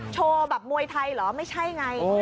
โชว์แบบมวยไทยเหรอไม่ใช่ไง